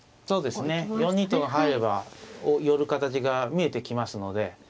そうですね４二とが入れば寄る形が見えてきますので。